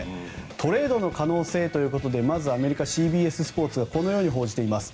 トレードの可能性ということでまずアメリカ・ＣＢＳスポーツがこのように報じています。